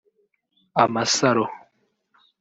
amasaro